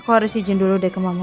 aku harus izin dulu deh ke mama